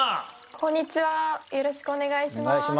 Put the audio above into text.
こんにちはよろしくおねがいします。